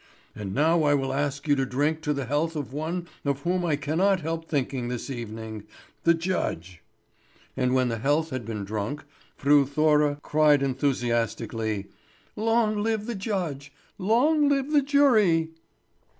And now I will ask you to drink to the health of one of whom I cannot help thinking this evening the judge." And when the health had been drunk, Fru Thora cried enthusiastically: "Long live the judge! Long live the jury!"